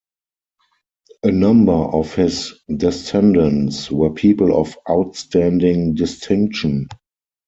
A number of his descendants were people of outstanding distinction.